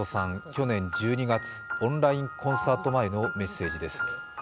去年１２月、オンラインコンサート前のメッセージです。